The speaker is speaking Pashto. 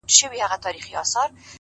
• لا په لاس یې جوړوله اسبابونه ,